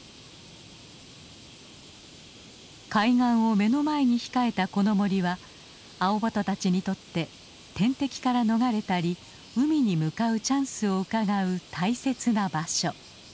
海岸を目の前に控えたこの森はアオバトたちにとって天敵から逃れたり海に向かうチャンスをうかがう大切な場所。